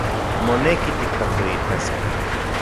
Moneki tikpatioitaskej